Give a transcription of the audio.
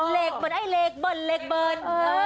เล็กเบิ้ลไอ้เล็กเบิ้ลเล็กเบิ้ล